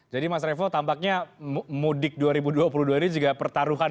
jadi mas revo tampaknya mudik dua ribu dua puluh dua ini juga pertaruhan